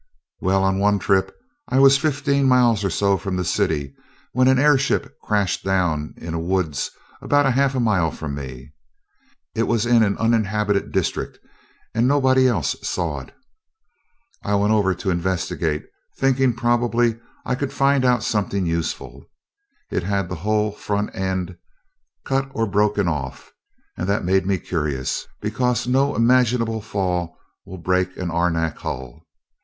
"Well, on one trip I was fifteen miles or so from the city when an airship crashed down in a woods about half a mile from me. It was in an uninhabited district and nobody else saw it. I went over to investigate, thinking probably I could find out something useful. It had the whole front end cut or broken off, and that made me curious, because no imaginable fall will break an arenak hull.